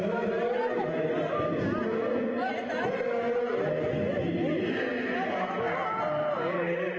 ไม่เป็นแห่งหน้าสารวัง